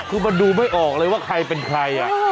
คือมันดูไม่ออกเลยว่าใครเป็นใคร